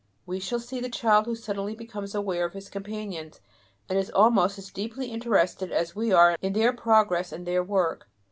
We shall see the child who suddenly becomes aware of his companions, and is almost as deeply interested as we are in their progress and their work.